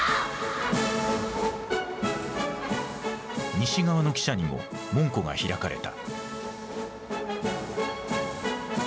西側の記者にも門戸が開かれた。